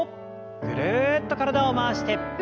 ぐるっと体を回して。